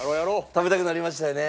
食べたくなりましたよね。